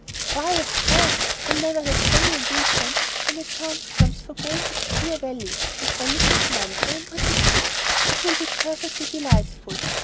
"Why, of course. I never have any engagements when a chance comes for going to the dear Valley; and Alice has none, I am pretty sure. It will be perfectly delightful!